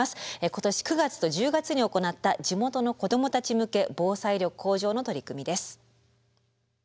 今年９月と１０月に行った地元の子どもたち向け防災力向上の取り組みです。